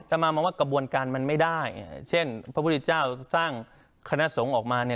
ตามมามองว่ากระบวนการมันไม่ได้เช่นพระพุทธเจ้าสร้างคณะสงฆ์ออกมาเนี่ย